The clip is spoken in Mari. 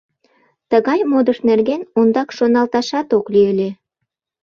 Тыгай модыш нерген ондак шоналташат ок лий ыле.